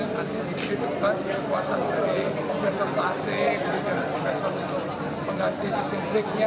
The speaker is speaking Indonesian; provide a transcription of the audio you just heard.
nanti diberi tepat kekuatan dari kompensator klasik kompensator untuk mengganti sistem kliknya